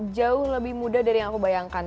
jauh lebih mudah dari yang aku bayangkan